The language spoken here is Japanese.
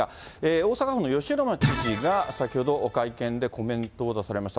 大阪府の吉村知事が、先ほど会見でコメントを出されました。